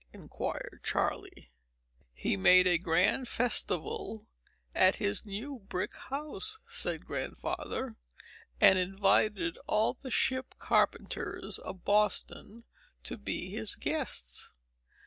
inquired Charley. "He made a grand festival at his new brick house," said Grandfather, "and invited all the ship carpenters of Boston to be his guests.